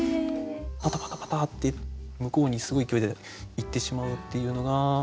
パタパタパタって向こうにすごい勢いで行ってしまうっていうのが耳から聞こえる。